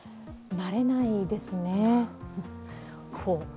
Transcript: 慣れないですよね